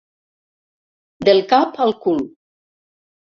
Del cap al cul.